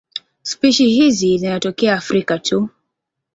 Spishi hizi zinatokea Afrika tu.